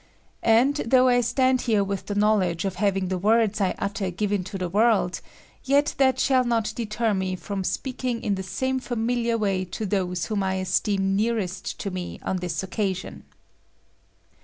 And, though I stand here with the knowledge of having the words I utter given to the world, yet that shall not deter me Irom speaking in the same familiar way to those whom I esteem nearest to me on this occasion.